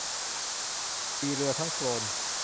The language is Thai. ติเรือทั้งโกลน